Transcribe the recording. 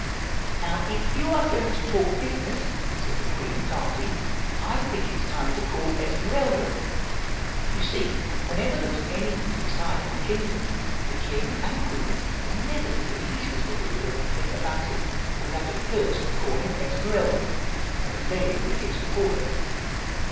"'Now, if you are going to talk business,' said the queen tartly, 'I think it is time to call Esmeralda.' You see, whenever there was anything to decide in the kingdom, the king and queen never did the leastest little bit of a thing about it, without at first calling Esmeralda, and laying the case before her.